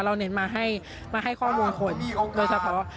เราเน้นมาให้ข้อมูลคนโดยเฉพาะ